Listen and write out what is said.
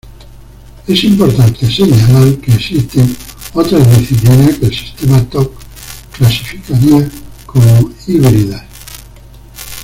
Es importante señalar que existen otras disciplinas que el sistema ToK clasificaría como "híbridas".